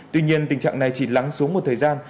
tuy nhiên tình trạng này chỉ lắng xuống một thời gian